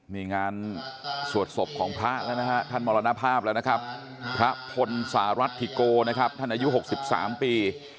นี่งานสวดศพของพระแล้วนะฮะท่านมรณภาพแล้วนะครับพระพลสหรัฐทิโกนะครับท่านอายุ๖๓ปี